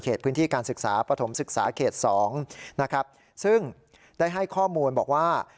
พื้นที่การศึกษาปฐมศึกษาเขต๒นะครับซึ่งได้ให้ข้อมูลบอกว่า